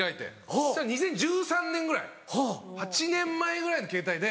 そしたら２０１３年ぐらい８年前ぐらいのケータイで。